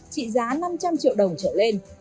trị giá năm trăm linh triệu đồng trở lên